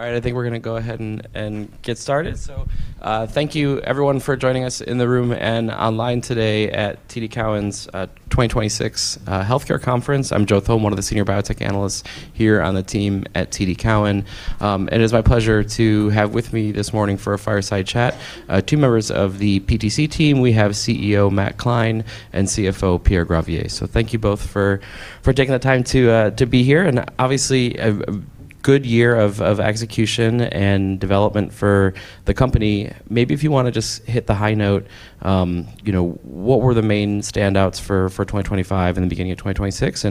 All right, I think we're gonna go ahead and get started. Thank you everyone for joining us in the room and online today at TD Cowen's 2026 Healthcare Conference. I'm Joseph Thome, one of the senior biotech analysts here on the team at TD Cowen. It is my pleasure to have with me this morning for a fireside chat, two members of the PTC team. We have CEO Matthew Klein and CFO Pierre Gravier. Thank you both for taking the time to be here, and obviously a good year of execution and development for the company. Maybe if you wanna just hit the high note, you know, what were the main standouts for 2025 and the beginning of 2026?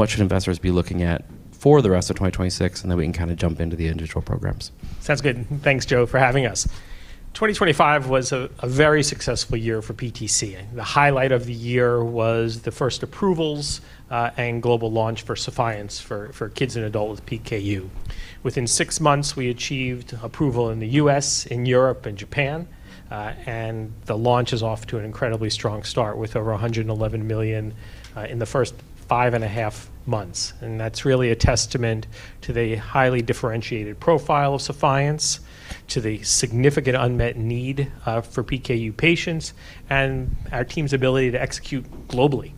What should investors be looking at for the rest of 2026? We can kinda jump into the individual programs. Sounds good. Thanks Joe, for having us. 2025 was a very successful year for PTC, and the highlight of the year was the first approvals and global launch for Sephience for kids and adults with PKU. Within six months, we achieved approval in the U.S., in Europe, and Japan, and the launch is off to an incredibly strong start with over $111 million in the first 5.5 months. That's really a testament to the highly differentiated profile of Sephience, to the significant unmet need for PKU patients, and our team's ability to execute globally.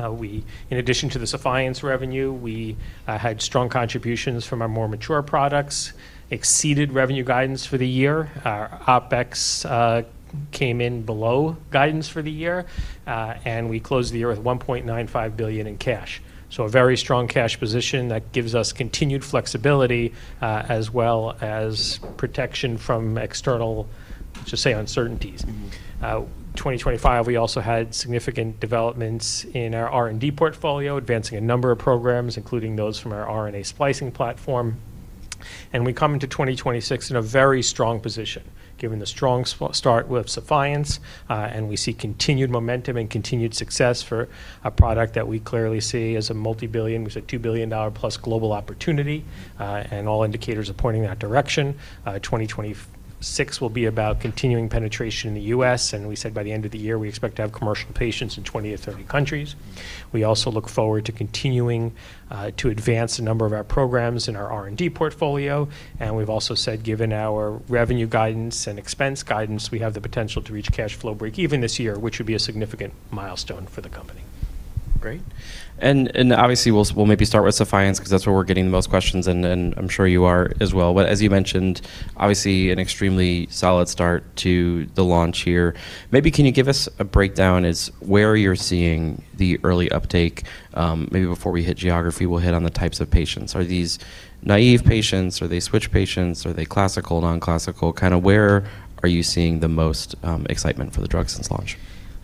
In addition to the Sephience revenue, we had strong contributions from our more mature products, exceeded revenue guidance for the year. Our OpEx came in below guidance for the year, and we closed the year with $1.95 billion in cash. A very strong cash position that gives us continued flexibility, as well as protection from external, let's just say, uncertainties. 2025, we also had significant developments in our R&D portfolio, advancing a number of programs, including those from our RNA splicing platform. We come into 2026 in a very strong position, given the strong start with Sephience, and we see continued momentum and continued success for a product that we clearly see as a multi-billion, we said $2 billion+ global opportunity, and all indicators are pointing in that direction. 2026 will be about continuing penetration in the U.S., we said by the end of the year, we expect to have commercial patients in 20-30 countries. We also look forward to continuing to advance a number of our programs in our R&D portfolio. We've also said, given our revenue guidance and expense guidance, we have the potential to reach cash flow break even this year, which would be a significant milestone for the company. Great. Obviously, we'll maybe start with Sephience 'cause that's where we're getting the most questions and I'm sure you are as well. As you mentioned, obviously an extremely solid start to the launch here. Maybe can you give us a breakdown as where you're seeing the early uptake? Maybe before we hit geography, we'll hit on the types of patients. Are these naive patients? Are they switch patients? Are they classical, non-classical? Kinda where are you seeing the most excitement for the drug since launch?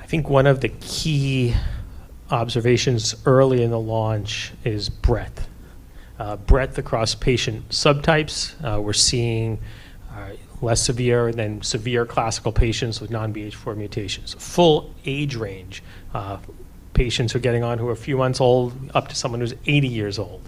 I think one of the key observations early in the launch is breadth. Breadth across patient subtypes. We're seeing less severe than severe classical patients with non-BH4 mutations. Full age range, patients who are getting on who are a few months old, up to someone who's 80 years old.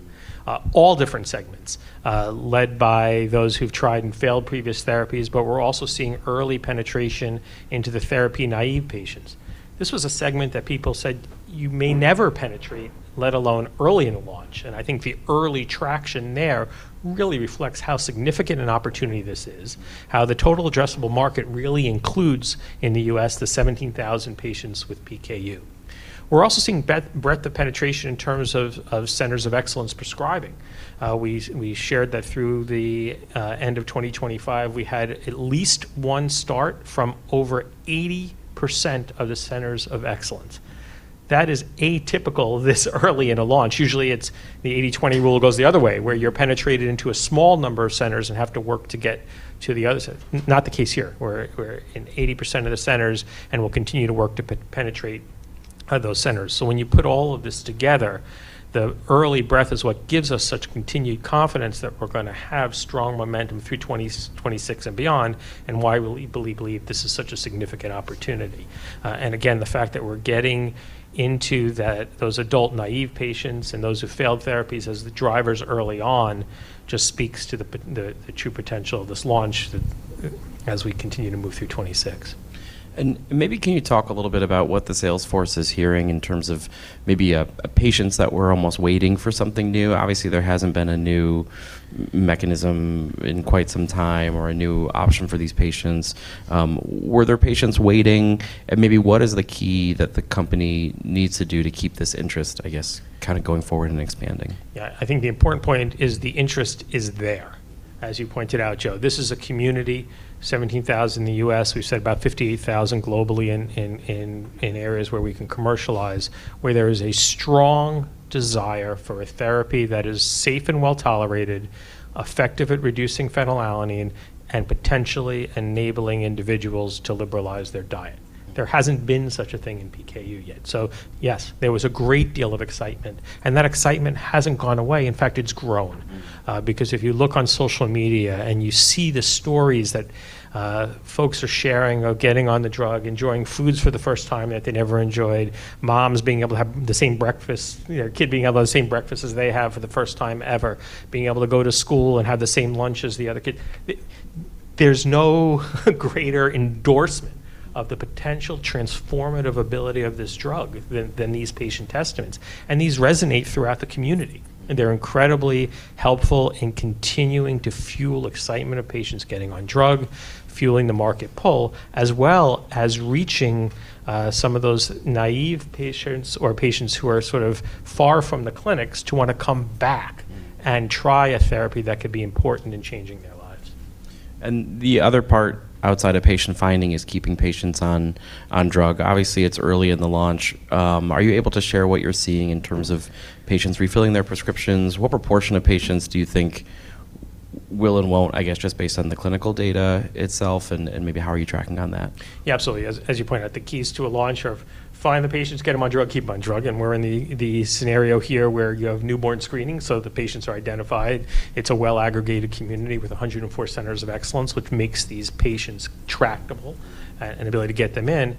All different segments, led by those who've tried and failed previous therapies, but we're also seeing early penetration into the therapy-naive patients. This was a segment that people said you may never penetrate, let alone early in the launch. I think the early traction there really reflects how significant an opportunity this is, how the total addressable market really includes, in the U.S., the 17,000 patients with PKU. We're also seeing breadth of penetration in terms of Centers of Excellence prescribing. We shared that through the end of 2025, we had at least one start from over 80% of the Centers of Excellence. That is atypical this early in a launch. Usually, it's the 80/20 rule goes the other way, where you're penetrated into a small number of centers and have to work to get to the other not the case here, where we're in 80% of the centers and we'll continue to work to penetrate those centers. When you put all of this together, the early breadth is what gives us such continued confidence that we're gonna have strong momentum through 2026 and beyond, and why we believe this is such a significant opportunity. Again, the fact that we're getting into those adult naive patients and those who failed therapies as the drivers early on just speaks to the true potential of this launch as we continue to move through 2026. Maybe can you talk a little bit about what the sales force is hearing in terms of maybe patients that were almost waiting for something new? Obviously, there hasn't been a new mechanism in quite some time or a new option for these patients. Were there patients waiting? Maybe what is the key that the company needs to do to keep this interest, I guess, kinda going forward and expanding? Yeah. I think the important point is the interest is there, as you pointed out, Joe. This is a community, 17,000 in the U.S., we've said about 58,000 globally in areas where we can commercialize, where there is a strong desire for a therapy that is safe and well-tolerated, effective at reducing phenylalanine, and potentially enabling individuals to liberalize their diet. There hasn't been such a thing in PKU yet. Yes, there was a great deal of excitement, and that excitement hasn't gone away. In fact, it's grown. Because if you look on social media and you see the stories that folks are sharing of getting on the drug, enjoying foods for the first time that they never enjoyed, moms being able to have the same breakfast, you know, kid being able to have the same breakfast as they have for the first time ever, being able to go to school and have the same lunch as the other kid, There's no greater endorsement of the potential transformative ability of this drug than these patient testaments. These resonate throughout the community, and they're incredibly helpful in continuing to fuel excitement of patients getting on drug, fueling the market pull, as well as reaching some of those naive patients or patients who are sort of far from the clinics to wanna come back and try a therapy that could be important in changing their lives. The other part outside of patient finding is keeping patients on drug. Obviously, it's early in the launch. Are you able to share what you're seeing in terms of patients refilling their prescriptions? What proportion of patients do you think will and won't, I guess, just based on the clinical data itself and maybe how are you tracking on that? Absolutely. As you point out, the keys to a launch are find the patients, get them on drug, keep on drug, and we're in the scenario here where you have Newborn screening, so the patients are identified. It's a well-aggregated community with 104 Centers of Excellence, which makes these patients tractable and ability to get them in.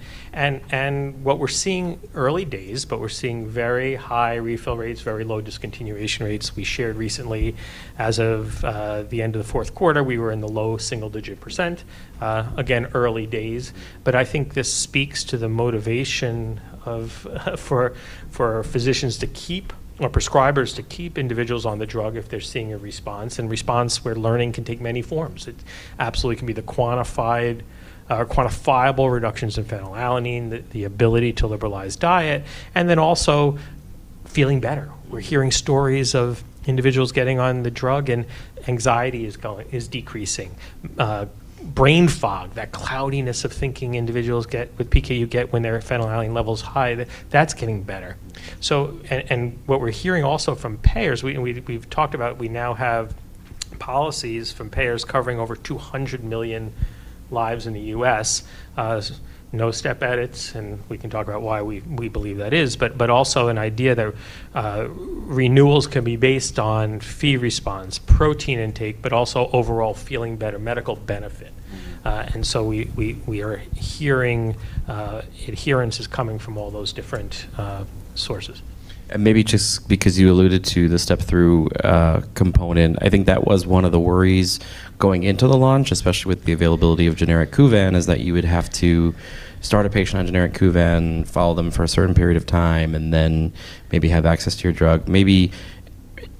What we're seeing, early days, but we're seeing very high refill rates, very low discontinuation rates. We shared recently as of the end of the fourth quarter, we were in the low single-digit percent. Again, early days, but I think this speaks to the motivation of, for physicians to keep, or prescribers to keep individuals on the drug if they're seeing a response, and response we're learning can take many forms. It absolutely can be the quantified, or quantifiable reductions in phenylalanine, the ability to liberalize diet, also feeling better. We're hearing stories of individuals getting on the drug, anxiety is decreasing. Brain fog, that cloudiness of thinking individuals get, with PKU when their phenylalanine level's high, that's getting better. What we're hearing also from payers, we've talked about we now have policies from payers covering over 200 million lives in the U.S. No step edits, we can talk about why we believe that is, but also an idea that renewals can be based on Phe response, protein intake, also overall feeling better, medical benefit. We are hearing adherence is coming from all those different sources. Maybe just because you alluded to the step-through component, I think that was one of the worries going into the launch, especially with the availability of generic Kuvan, is that you would have to start a patient on generic Kuvan, follow them for a certain period of time, and then maybe have access to your drug. Maybe,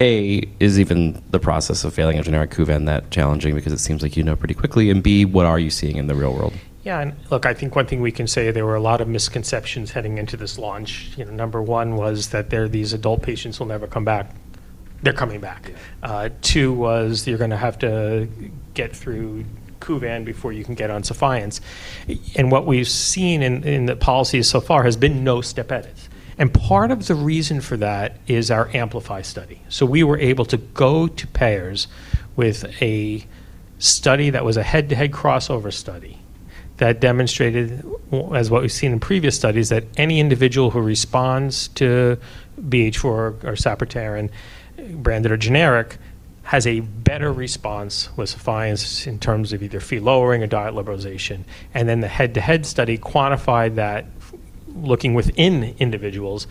A, is even the process of failing a generic Kuvan that challenging because it seems like you know pretty quickly, and B, what are you seeing in the real world? Look, I think one thing we can say, there were a lot of misconceptions heading into this launch. You know, number one was that there are these adult patients who'll never come back. They're coming back. Two was you're gonna have to get through Kuvan before you can get on Sephience. What we've seen in the policy so far has been no step edits. Part of the reason for that is our AMPLIFY study. We were able to go to payers with a study that was a head-to-head crossover study that demonstrated as what we've seen in previous studies, that any individual who responds to BH4 or sapropterin branded or generic has a better response with Sephience in terms of either Phe lowering or diet liberalization. The head-to-head study quantified that looking within individuals,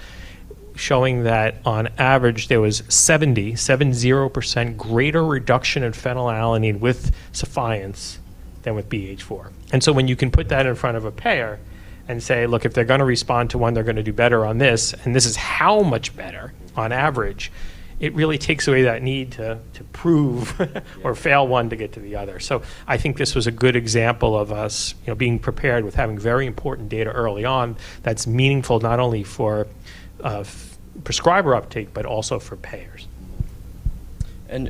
showing that on average, there was 70% greater reduction in phenylalanine with Sephience than with BH4. When you can put that in front of a payer and say, "Look, if they're gonna respond to one, they're gonna do better on this, and this is how much better on average," it really takes away that need to prove or fail one to get to the other. I think this was a good example of us, you know, being prepared with having very important data early on that's meaningful not only for prescriber uptake, but also for payers.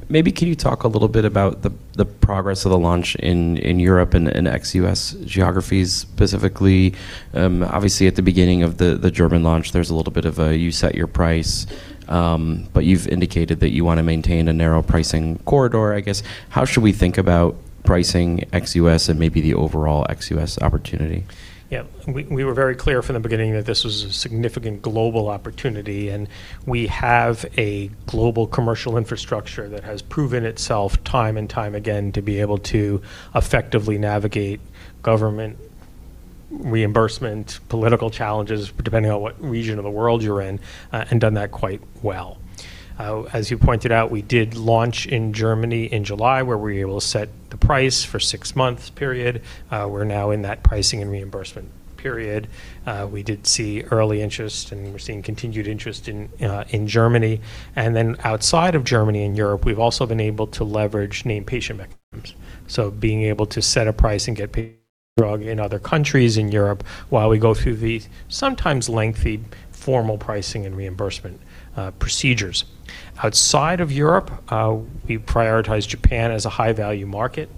Maybe can you talk a little bit about the progress of the launch in Europe and ex-U.S. geographies specifically. Obviously, at the beginning of the German launch, there's a little bit of a you set your price, but you've indicated that you wanna maintain a narrow pricing corridor. I guess, how should we think about pricing ex-U.S. and maybe the overall ex-U.S. opportunity? We were very clear from the beginning that this was a significant global opportunity, and we have a global commercial infrastructure that has proven itself time and time again to be able to effectively navigate government reimbursement, political challenges, depending on what region of the world you're in, and done that quite well. As you pointed out, we did launch in Germany in July, where we were able to set the price for six months period. We're now in that pricing and reimbursement period. We did see early interest, and we're seeing continued interest in Germany. Outside of Germany and Europe, we've also been able to leverage Named Patient Program. Being able to set a price and get paid drug in other countries in Europe while we go through the sometimes lengthy formal pricing and reimbursement procedures. Outside of Europe, we prioritize Japan as a high-value market.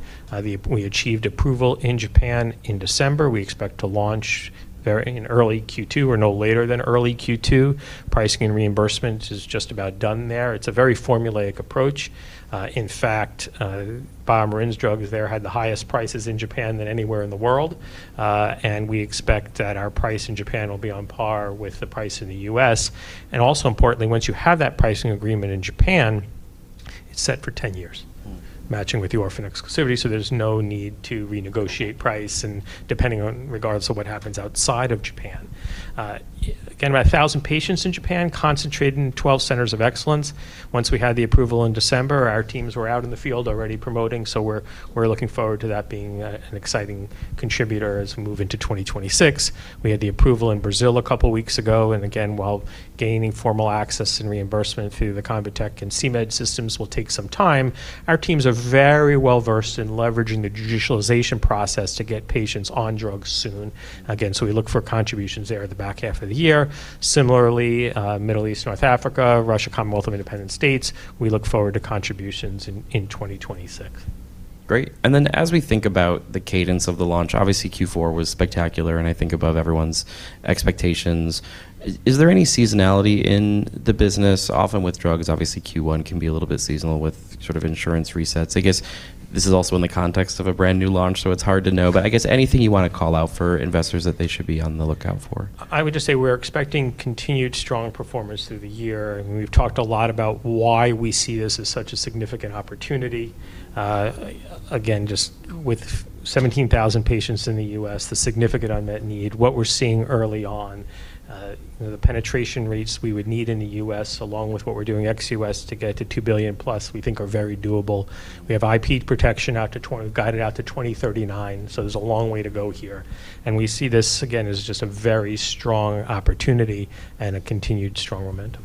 We achieved approval in Japan in December. We expect to launch in early Q2 or no later than early Q2. Pricing and reimbursement is just about done there. It's a very formulaic approach. In fact, BioMarin's drugs there had the highest prices in Japan than anywhere in the world, and we expect that our price in Japan will be on par with the price in the U.S. Importantly, once you have that pricing agreement in Japan, it's set for 10 years. Matching with the orphan exclusivity, so there's no need to renegotiate price and regardless of what happens outside of Japan. Again, about 1,000 patients in Japan concentrating 12 Centers of Excellence. Once we had the approval in December, our teams were out in the field already promoting, so we're looking forward to that being an exciting contributor as we move into 2026. We had the approval in Brazil a couple weeks ago, and again, while gaining formal access and reimbursement through the CONITEC and CMED systems will take some time, our teams are very well-versed in leveraging the judicialization process to get patients on drugs soon. Again, we look for contributions there at the back half of the year. Similarly, Middle East, North Africa, Russia, Commonwealth of Independent States, we look forward to contributions in 2026. Great. As we think about the cadence of the launch, obviously Q4 was spectacular and I think above everyone's expectations. Is there any seasonality in the business? Often with drugs, obviously Q1 can be a little bit seasonal with sort of insurance resets. I guess this is also in the context of a brand-new launch, so it's hard to know. I guess anything you wanna call out for investors that they should be on the lookout for. I would just say we're expecting continued strong performance through the year. We've talked a lot about why we see this as such a significant opportunity. Again, just with 17,000 patients in the U.S., the significant unmet need, what we're seeing early on, the penetration rates we would need in the U.S. along with what we're doing ex U.S. to get to $2 billion+, we think are very doable. We have IP protection out to guided out to 2039, there's a long way to go here. We see this, again, as just a very strong opportunity and a continued strong momentum.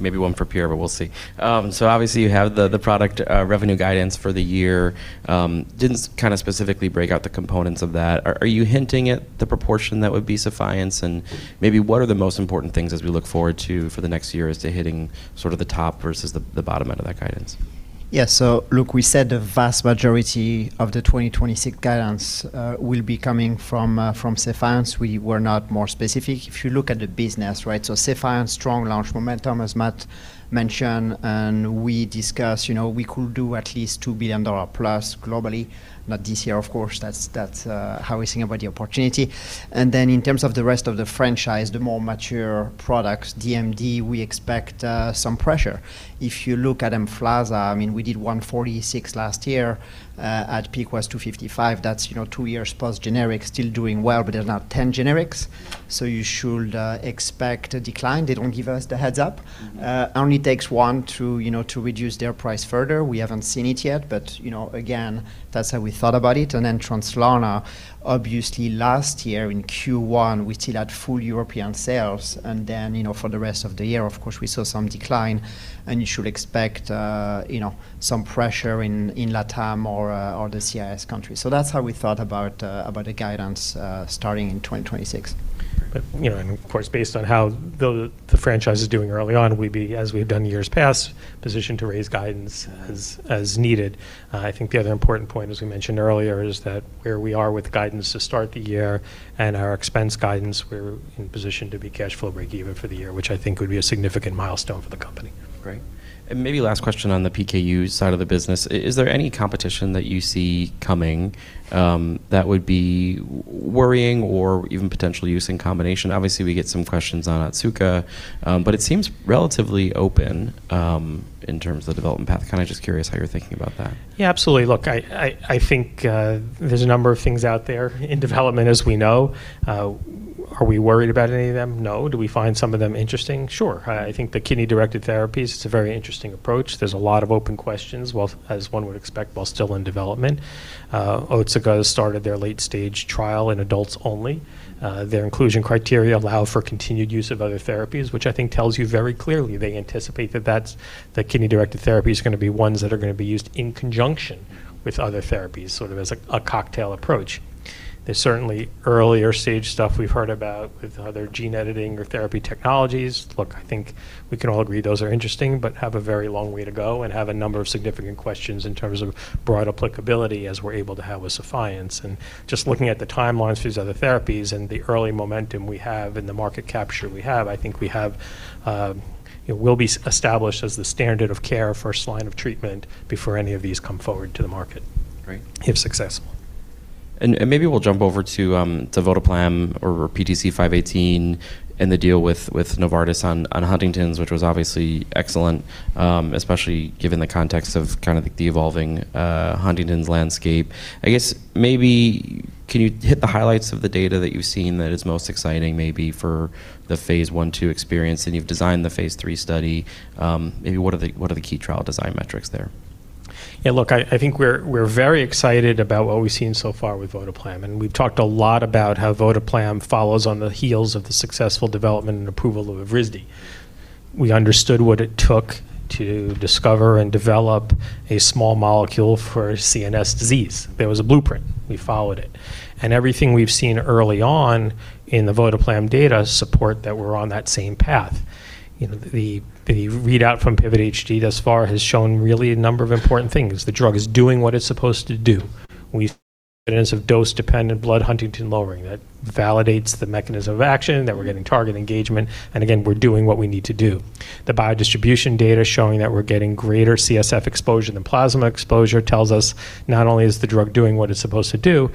Great. Maybe one for Pierre, but we'll see. Obviously you have the product revenue guidance for the year. Didn't kinda specifically break out the components of that. Are you hinting at the proportion that would be Sephience? Maybe what are the most important things as we look forward to for the next year as to hitting sort of the top versus the bottom end of that guidance? Yeah. Look, we said the vast majority of the 2026 guidance will be coming from Sephience. We were not more specific. If you look at the business, right? Sephience, strong launch momentum, as Matt mentioned, and we discussed, you know, we could do at least $2 billion+ globally. Not this year, of course, that's how we're thinking about the opportunity. In terms of the rest of the franchise, the more mature products, DMD, we expect some pressure. If you look at EMFLAZA, I mean, we did $146 last year. At peak was $255. That's, you know, two years post-generic, still doing well, but there's now 10 generics. You should expect a decline. They don't give us the heads-up. Only takes one to, you know, to reduce their price further. We haven't seen it yet, but, you know, again, that's how we thought about it. Translarna, obviously last year in Q1, we still had full European sales, and then, you know, for the rest of the year, of course, we saw some decline, and you should expect, you know, some pressure in LatAm or the CIS countries. That's how we thought about the guidance, starting in 2026. You know, and of course, based on how the franchise is doing early on, we'd be, as we've done years past, positioned to raise guidance as needed. I think the other important point, as we mentioned earlier, is that where we are with guidance to start the year and our expense guidance, we're in position to be cash flow break even for the year, which I think would be a significant milestone for the company. Great. Maybe last question on the PKU side of the business. Is there any competition that you see coming that would be worrying or even potential use in combination? Obviously, we get some questions on Otsuka, but it seems relatively open in terms of development path. Kinda just curious how you're thinking about that. Absolutely. I think there's a number of things out there in development as we know. Are we worried about any of them? No. Do we find some of them interesting? Sure. I think the kidney-directed therapies, it's a very interesting approach. There's a lot of open questions, well, as one would expect, while still in development. Otsuka started their late-stage trial in adults only. Their inclusion criteria allow for continued use of other therapies, which I think tells you very clearly they anticipate that the kidney-directed therapy is gonna be ones that are gonna be used in conjunction with other therapies, sort of as a cocktail approach. There's certainly earlier stage stuff we've heard about with other gene editing or therapy technologies. Look, I think we can all agree those are interesting but have a very long way to go and have a number of significant questions in terms of broad applicability as we're able to have with Sephience. Just looking at the timelines for these other therapies and the early momentum we have and the market capture we have, I think we have, it will be established as the standard of care first line of treatment before any of these come forward to the market, if successful. Great. Maybe we'll jump over to votoplam or PTC518 and the deal with Novartis on Huntington's, which was obviously excellent, especially given the context of kind of the evolving Huntington's landscape. I guess maybe can you hit the highlights of the data that you've seen that is most exciting maybe for the phase I, II experience? You've designed the phase III study, maybe what are the key trial design metrics there? Yeah, look, I think we're very excited about what we've seen so far with votoplam, and we've talked a lot about how votoplam follows on the heels of the successful development and approval of Evrysdi. We understood what it took to discover and develop a small molecule for a CNS disease. There was a blueprint. We followed it. Everything we've seen early on in the votoplam data support that we're on that same path. You know, the readout from PIVOT-HD thus far has shown really a number of important things. The drug is doing what it's supposed to do. We've evidence of dose-dependent blood Huntingtin lowering. That validates the mechanism of action, that we're getting target engagement, again, we're doing what we need to do. The biodistribution data showing that we're getting greater CSF exposure than plasma exposure tells us not only is the drug doing what it's supposed to do.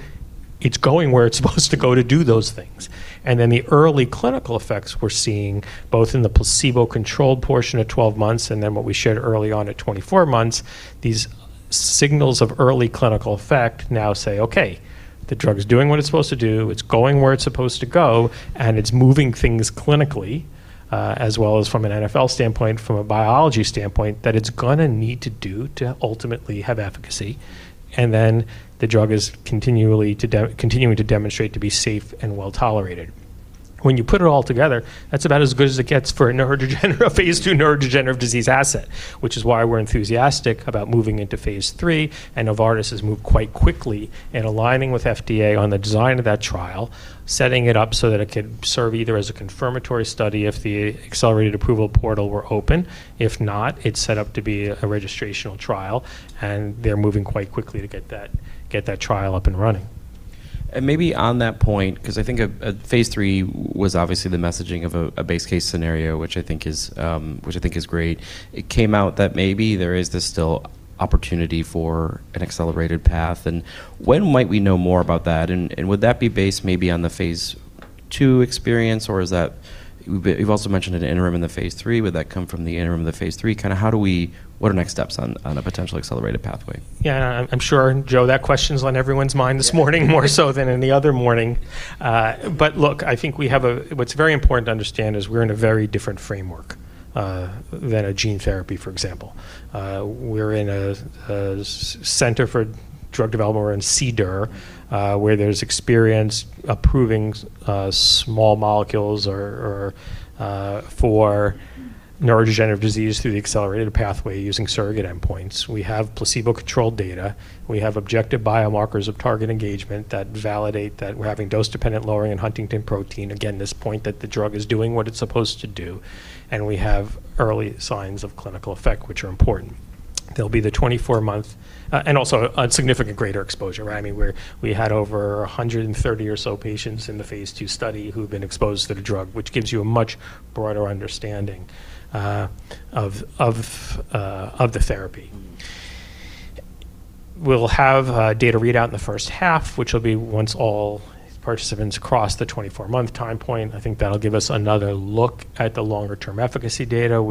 It's going where it's supposed to go to do those things. The early clinical effects we're seeing, both in the placebo-controlled portion at 12 months and then what we shared early on at 24 months, these signals of early clinical effect now say, "Okay, the drug is doing what it's supposed to do, it's going where it's supposed to go, and it's moving things clinically, as well as from an NfL standpoint, from a biology standpoint, that it's gonna need to do to ultimately have efficacy," and then the drug is continuing to demonstrate to be safe and well-tolerated. When you put it all together, that's about as good as it gets for a neurodegenerative phase II neurodegenerative disease asset, which is why we're enthusiastic about moving into phase III. Novartis has moved quite quickly in aligning with FDA on the design of that trial, setting it up so that it could serve either as a confirmatory study if the accelerated approval portal were open. If not, it's set up to be a registrational trial. They're moving quite quickly to get that trial up and running. Maybe on that point, because I think at phase III was obviously the messaging of a base case scenario, which I think is great. It came out that maybe there is this still opportunity for an accelerated path. When might we know more about that? Would that be based maybe on the phase II experience? We've also mentioned an interim in the phase III. Would that come from the interim in the phase III? Kind of, what are next steps on a potential accelerated pathway? Yeah. I'm sure, Joe, that question's on everyone's mind this morning, more so than any other morning. Look, I think we have what's very important to understand is we're in a very different framework than a gene therapy, for example. We're in a center for drug development. We're in CDER, where there's experience approving small molecules or for neurodegenerative disease through the accelerated pathway using surrogate endpoints. We have placebo-controlled data. We have objective biomarkers of target engagement that validate that we're having dose-dependent lowering in huntingtin protein. Again, this point that the drug is doing what it's supposed to do, and we have early signs of clinical effect, which are important. There'll be the 24-month... and also a significant greater exposure, right? I mean, we had over 130 or so patients in the phase II study who've been exposed to the drug, which gives you a much broader understanding of the therapy. We'll have a data readout in the first half, which will be once all participants cross the 24-month time point. I think that'll give us another look at the longer-term efficacy data.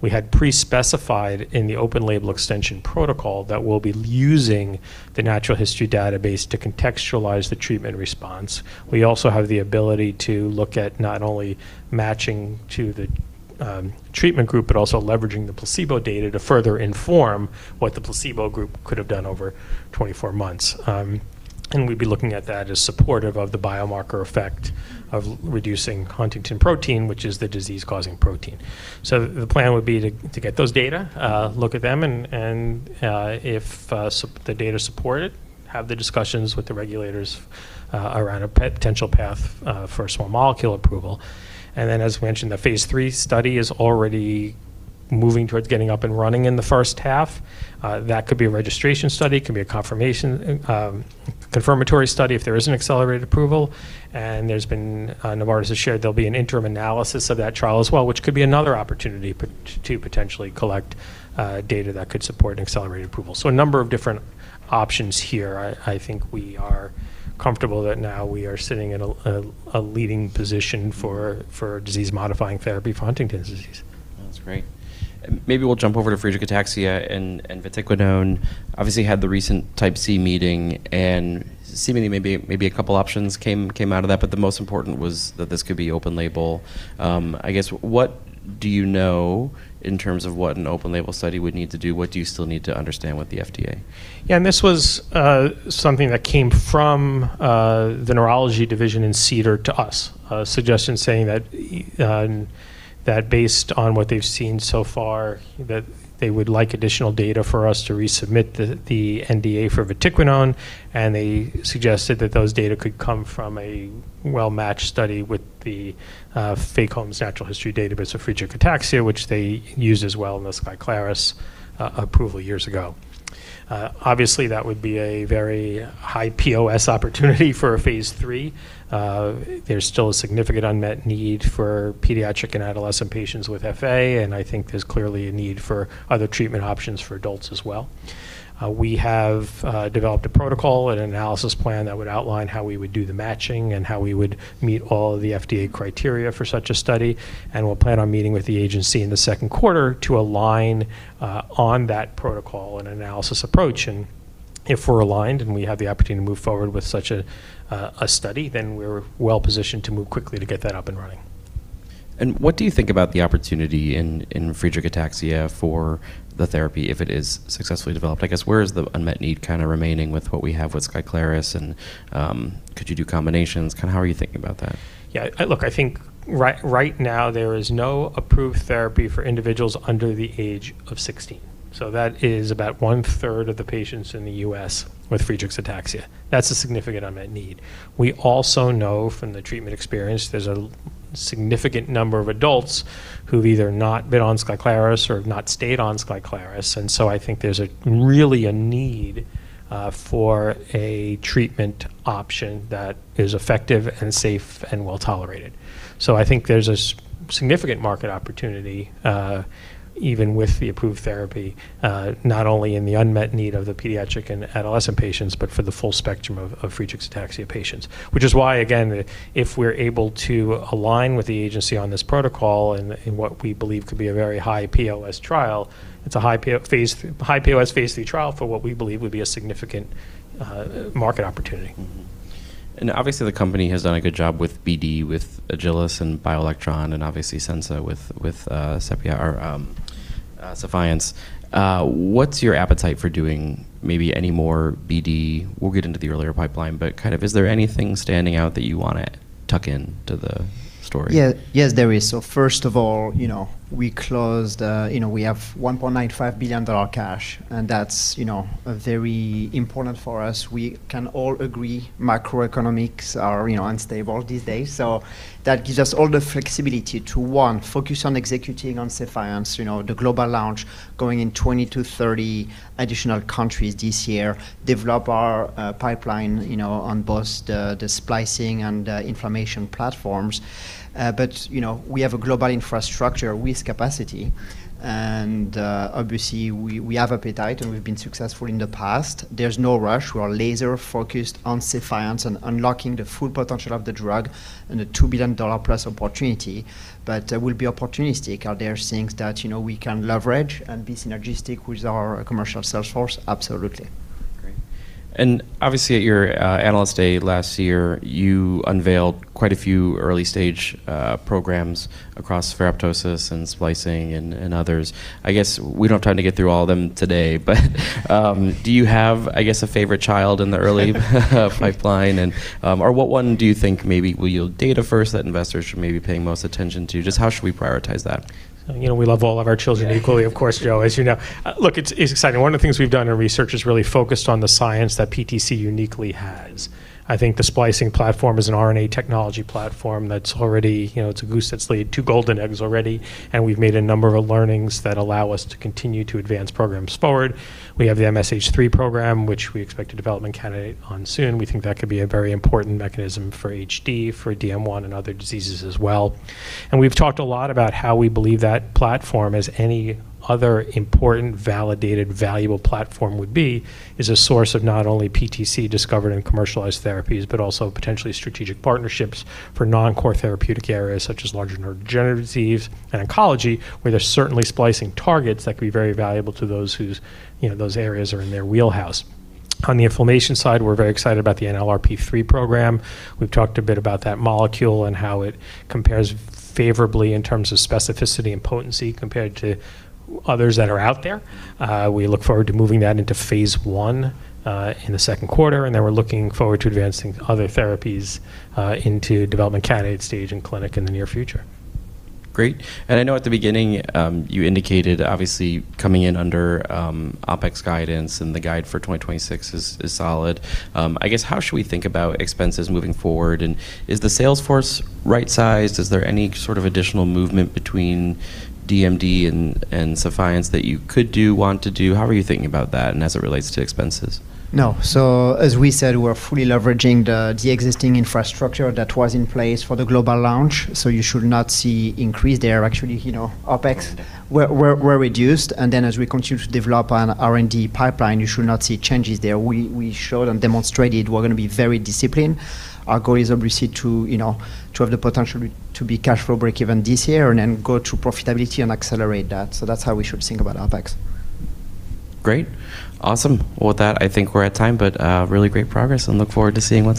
We had pre-specified in the open-label extension protocol that we'll be using the natural history database to contextualize the treatment response. We also have the ability to look at not only matching to the treatment group, but also leveraging the placebo data to further inform what the placebo group could have done over 24 months. We'd be looking at that as supportive of the biomarker effect of reducing Huntingtin protein, which is the disease-causing protein. The plan would be to get those data, look at them, and if the data support it, have the discussions with the regulators around a potential path for small molecule approval. Then, as mentioned, the phase III study is already moving towards getting up and running in the first half. That could be a registration study, could be a confirmation, confirmatory study if there is an accelerated approval. There's been, Novartis has shared there'll be an interim analysis of that trial as well, which could be another opportunity to potentially collect data that could support an accelerated approval. A number of different options here. I think we are comfortable that now we are sitting in a leading position for disease-modifying therapy for Huntington's disease. That's great. Maybe we'll jump over to Friedreich's ataxia and vatiquinone. Obviously, you had the recent Type C meeting, and seemingly, maybe a couple options came out of that, but the most important was that this could be open label. I guess what do you know in terms of what an open label study would need to do? What do you still need to understand with the FDA? This was something that came from the neurology division in CDER to us, a suggestion saying that based on what they've seen so far, that they would like additional data for us to resubmit the NDA for vatiquinone, and they suggested that those data could come from a well-matched study with the FA-COMS natural history database of Friedreich's ataxia, which they used as well in the Skyclarys approval years ago. Obviously, that would be a very high POS opportunity for a phase III. There's still a significant unmet need for pediatric and adolescent patients with FA, and I think there's clearly a need for other treatment options for adults as well. We have developed a protocol and analysis plan that would outline how we would do the matching and how we would meet all of the FDA criteria for such a study, and we'll plan on meeting with the agency in the second quarter to align on that protocol and analysis approach. If we're aligned and we have the opportunity to move forward with such a study, then we're well-positioned to move quickly to get that up and running. What do you think about the opportunity in Friedreich's ataxia for the therapy if it is successfully developed? I guess where is the unmet need kinda remaining with what we have with Skyclarys and, could you do combinations? Kinda how are you thinking about that? Yeah. Look, I think right now there is no approved therapy for individuals under the age of 16. That is about one-third of the patients in the U.S. with Friedreich's ataxia. That's a significant unmet need. We also know from the treatment experience there's a significant number of adults who've either not been on Skyclarys or have not stayed on Skyclarys, I think there's a really a need for a treatment option that is effective and safe and well-tolerated. I think there's a significant market opportunity even with the approved therapy, not only in the unmet need of the pediatric and adolescent patients, but for the full spectrum of Friedreich's ataxia patients. Which is why, again, if we're able to align with the agency on this protocol in what we believe could be a very high POS trial, it's a high POS phase III trial for what we believe would be a significant market opportunity. Obviously the company has done a good job with BD, with Agilis and BioElectron and obviously Censa with sepiapterin or Sephience. What's your appetite for doing maybe any more BD? We'll get into the earlier pipeline, kind of is there anything standing out that you wanna tuck into the story? Yes, there is. First of all, you know, we closed, you know, we have $1.95 billion cash, and that's, you know, very important for us. We can all agree macroeconomics are, you know, unstable these days, so that gives us all the flexibility to, one, focus on executing on Sephience, you know, the global launch going in 20-30 additional countries this year, develop our pipeline, you know, on both the splicing and inflammation platforms. You know, we have a global infrastructure with capacity and obviously we have appetite, and we've been successful in the past. There's no rush. We are laser-focused on Sephience and unlocking the full potential of the drug and the $2 billion+ opportunity. We'll be opportunistic. Are there things that, you know, we can leverage and be synergistic with our commercial sales force? Absolutely. Great. Obviously at your Analyst Day last year, you unveiled quite a few early-stage programs across ferroptosis and splicing and others. I guess we don't have time to get through all of them today, but, do you have, I guess, a favorite child in the early pipeline? What one do you think maybe will yield data first that investors should maybe be paying most attention to? Just how should we prioritize that? You know, we love all of our children equally, of course, Joe, as you know. Look, it's exciting. One of the things we've done in research is really focused on the science that PTC uniquely has. I think the splicing platform is an RNA technology platform that's already, you know, it's a goose that's laid two golden eggs already. We've made a number of learnings that allow us to continue to advance programs forward. We have the MSH3 program, which we expect a development candidate on soon. We think that could be a very important mechanism for HD, for DM1, and other diseases as well. We've talked a lot about how we believe that platform, as any other important, validated, valuable platform would be, is a source of not only PTC-discovered and commercialized therapies, but also potentially strategic partnerships for non-core therapeutic areas such as larger neurodegenerative disease and oncology, where there's certainly splicing targets that could be very valuable to those whose, you know, those areas are in their wheelhouse. On the inflammation side, we're very excited about the NLRP3 program. We've talked a bit about that molecule and how it compares favorably in terms of specificity and potency compared to others that are out there. We look forward to moving that into phase I in the second quarter, we're looking forward to advancing other therapies into development candidate stage and clinic in the near future. Great. I know at the beginning, you indicated obviously coming in under OpEx guidance and the guide for 2026 is solid. I guess how should we think about expenses moving forward, and is the sales force right-sized? Is there any sort of additional movement between DMD and Sephience that you could do, want to do? How are you thinking about that and as it relates to expenses? No. As we said, we're fully leveraging the existing infrastructure that was in place for the global launch. You should not see increase there. Actually, you know, OpEx were reduced. As we continue to develop an R&D pipeline, you should not see changes there. We showed and demonstrated we're gonna be very disciplined. Our goal is obviously to, you know, to have the potential to be cash flow break even this year and then go to profitability and accelerate that. That's how we should think about OpEx. Great. Awesome. Well, with that, I think we're at time, but really great progress, and look forward to seeing-